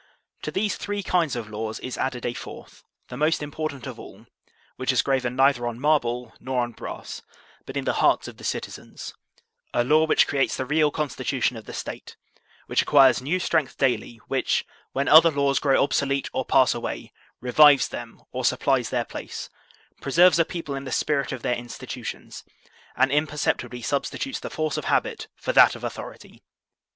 To these three kinds of laws is added a fourth, the most important of all, which is graven neither on marble nor on brass, but in the hearts of the citizens; a law which creates the real constitution of the State, which acquires new strength daily, which, when other laws grow obsolete or pass away, revives them or supplies their place, preserves a people in the spirit of their institutions, and imperceptibly substitutes the force of habit for that of authority.